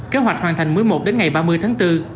kế hoạch hoàn thành mũi một đến ngày ba mươi tháng bốn